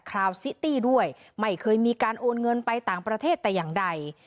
ราวซิตี้ด้วยไม่เคยมีการโอนเงินไปต่างประเทศแต่อย่างใด